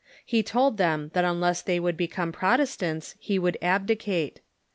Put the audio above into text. He told them that unless they would become Protestants he would abdicate.